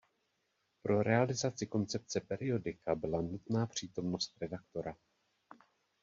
Pro realizaci koncepce periodika byla nutná přítomnost redaktora.